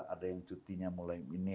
ada yang cutinya mulai minim